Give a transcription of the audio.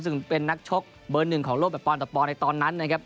ซึ่งเป็นนักชกเบอร์หนึ่งของโลกแบบปอนต่อปอนในตอนนั้นนะครับ